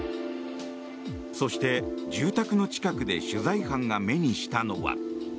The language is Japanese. そして、住宅の近くで取材班が目にしたのは。